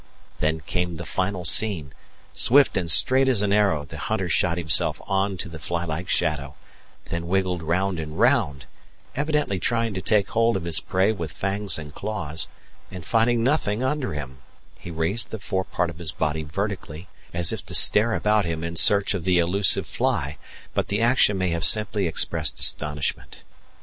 Then came the final scene: swift and straight as an arrow the hunter shot himself on to the fly like shadow, then wiggled round and round, evidently trying to take hold of his prey with fangs and claws; and finding nothing under him, he raised the fore part of his body vertically, as if to stare about him in search of the delusive fly; but the action may have simply expressed astonishment.